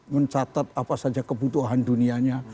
mencatat apa saja kebutuhan dunianya